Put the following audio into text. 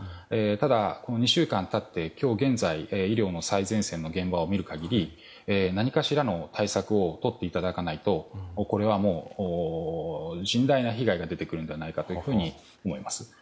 ただ、２週間経って今日現在、医療の最前線の現場を見る限り何かしらの対策をとっていただかないとこれはもう甚大な被害が出てくるのではないかと思います。